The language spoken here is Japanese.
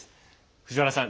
藤原さん